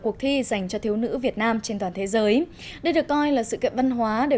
cuộc thi dành cho thiếu nữ việt nam trên toàn thế giới đây được coi là sự kiện văn hóa để